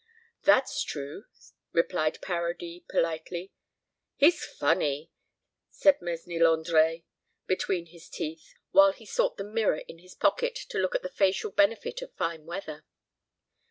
"That's true," replied Paradis politely. "He's funny," said Mesnil Andre, between his teeth, while he sought the mirror in his pocket to look at the facial benefit of fine weather.